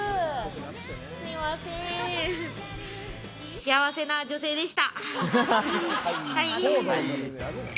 幸せな女性でした。